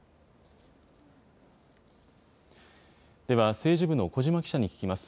では、政治部の小嶋記者に聞きます。